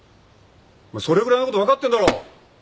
それぐらいのこと分かってんだろ。